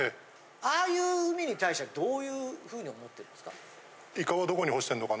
ああいう海に対してはどういうふうに思ってるんですか。